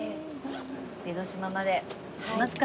江の島まで行きますか。